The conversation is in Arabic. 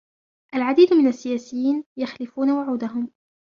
العديد من السياسييّن يَخلفون وعودَهم.